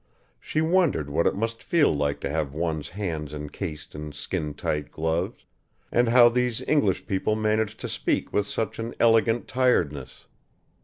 She wondered what it must feel like to have one's hands encased in skin tight gloves, and how these English people managed to speak with such an elegant tiredness.